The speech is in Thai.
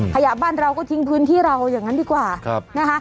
บ้านเราก็ทิ้งพื้นที่เราอย่างนั้นดีกว่านะคะ